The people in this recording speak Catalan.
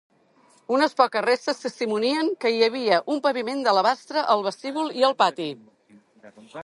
Unes poques restes testimonien que hi havia un paviment d'alabastre al vestíbul i el pati.